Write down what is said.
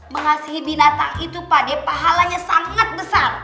mengasihi binatang itu pade pahalanya sangat besar